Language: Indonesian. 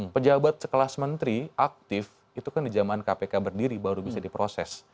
pejabat sekelas menteri aktif itu kan di zaman kpk berdiri baru bisa diproses